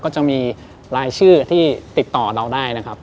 จะมีรายชื่อที่ติดต่อเราได้นะครับ